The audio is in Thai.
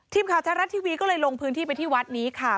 ทีมข่าวแท้รัฐทีวีก็เลยลงพื้นที่ไปที่วัดนี้ค่ะ